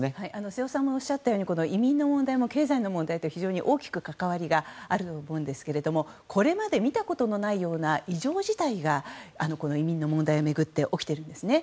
瀬尾さんもおっしゃったように移民の問題も経済の問題と大きく関わりがあると思うんですけれどもこれまで見たことのないような異常事態が移民の問題を巡って起きているんですね。